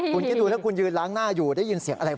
คุณคิดดูถ้าคุณยืนล้างหน้าอยู่ได้ยินเสียงอะไร